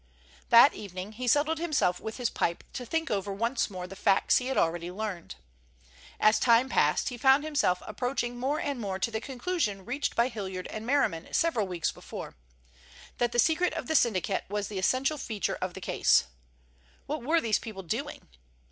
That evening he settled himself with his pipe to think over once more the facts he had already learned. As time passed he found himself approaching more and more to the conclusion reached by Hilliard and Merriman several weeks before—that the secret of the syndicate was the essential feature of the case. What were these people doing?